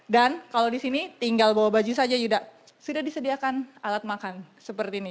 dan kalau disini tinggal bawa baju saja yuda sudah disediakan alat makan seperti ini